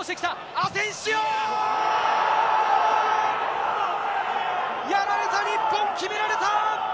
アセンシオ！やられた日本、決められた！